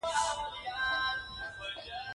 هیڅ متن د دې قومونو د لیږدیدلو اطلاع نه راکوي.